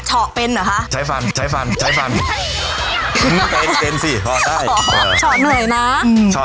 ชอเป็นเหรอคะใช้ฟันใช้ฟันใช้ฟันเต็นสิพอได้ชอเหนื่อยนะ